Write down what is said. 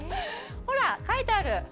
ほら、書いてある。